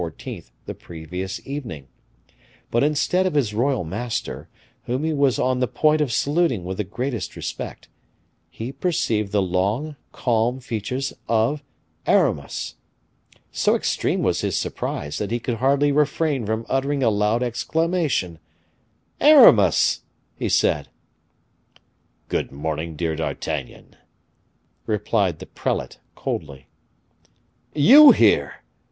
the previous evening; but instead of his royal master, whom he was on the point of saluting with the greatest respect, he perceived the long, calm features of Aramis. So extreme was his surprise that he could hardly refrain from uttering a loud exclamation. "Aramis!" he said. "Good morning, dear D'Artagnan," replied the prelate, coldly. "You here!"